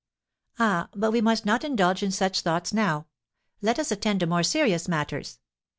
"Ah, but we must not indulge in such thoughts now; let us attend to more serious matters.